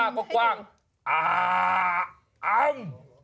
เอ้าคูกกว้างอ้าอม